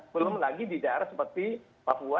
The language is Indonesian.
belum lagi di daerah seperti papua